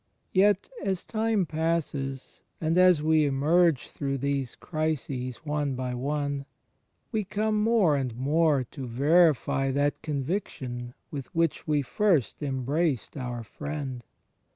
Yet, as time passes, and as we emerge through these crises one by one, we come more and more to verify that conviction with which we first embraced our Friend.